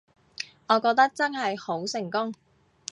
我覺得真係好成功